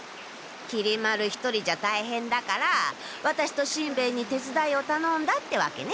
きり丸一人じゃたいへんだからワタシとしんべヱにてつだいをたのんだってわけね？